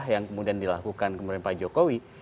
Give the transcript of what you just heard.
yang kemudian dilakukan kemudian pak jokowi